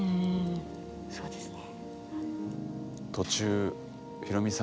そうですね。